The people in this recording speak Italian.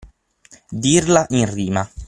Dirla in rima.